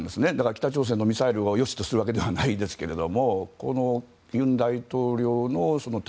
北朝鮮のミサイルをよしとするわけではないですが尹大統領の対